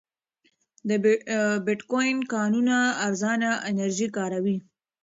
د بېټکوین کانونه ارزانه انرژي کاروي.